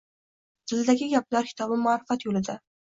“Diladagi gaplar” kitobi ma’rifat yo‘lida